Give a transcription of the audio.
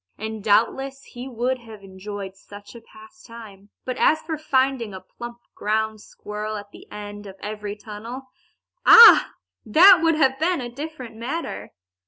And doubtless he would have enjoyed such a pastime. But as for finding a plump ground squirrel at the end of every tunnel ah! that would have been a different matter.